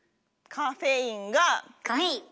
カフェイン。